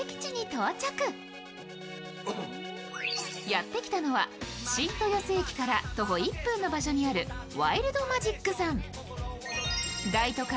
やってきたのは新豊洲駅から徒歩１分の場所にあるＷＩＬＤＭＡＧＩＣさん。